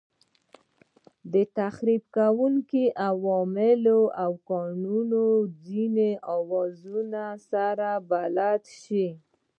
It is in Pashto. د تخریب کوونکو عواملو او ترکاڼۍ له ځینو اوزارونو سره به بلد شئ.